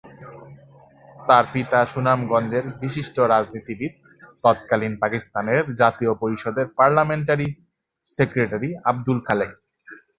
তার পিতা সুনামগঞ্জের বিশিষ্ট রাজনীতিবিদ তৎকালীন পাকিস্তান জাতীয় পরিষদের পার্লামেন্টারি সেক্রেটারি আবদুল খালেক।